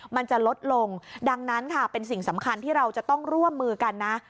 มันจะลดลงดังนั้นค่ะเป็นสิ่งสำคัญที่เราจะต้องร่วมมือกันนะ